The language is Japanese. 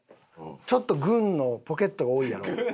ちょっと軍のポケットが多いやろ。